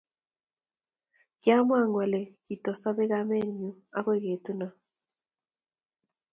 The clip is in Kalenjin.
kiamangu ale kitosopei kamenyu akoi ketuno